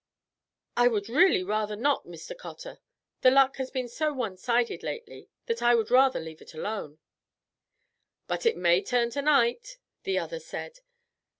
"I would really rather not, Mr. Cotter. The luck has been so one sided lately that I would rather leave it alone." "But it may turn tonight," the other said.